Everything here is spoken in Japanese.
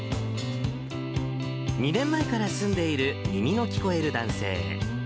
２年前から住んでいる、耳の聞こえる男性。